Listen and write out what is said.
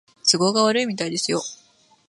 都合が悪いみたいですよ